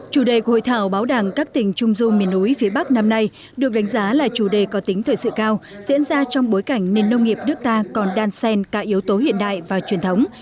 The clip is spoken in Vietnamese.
chủ đề của hội thảo báo đảng các tỉnh trung du miền núi phía bắc năm nay được đánh giá là chủ đề có tính thời sự cao diễn ra trong bối cảnh nền nông nghiệp nước ta còn đan sen cả yếu tố hiện đại và truyền thống